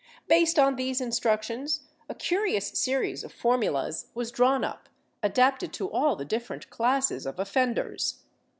^ Based on these instructions a curious series of formulas was drawn up, adapted to all the different classes of offenders.